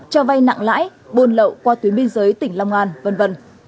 cho vay nặng lãi buôn lậu qua tuyến biên giới tỉnh long an v v